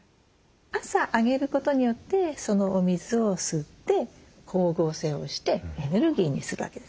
朝あげることによってそのお水を吸って光合成をしてエネルギーにするわけです。